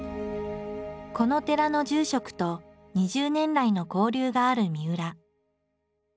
この寺の住職と２０年来の交流があるみうら。